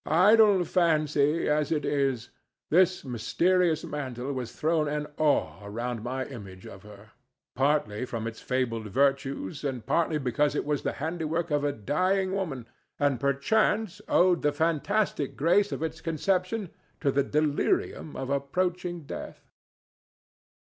Idle fancy as it is, this mysterious mantle has thrown an awe around my image of her, partly from its fabled virtues and partly because it was the handiwork of a dying woman, and perchance owed the fantastic grace of its conception to the delirium of approaching death.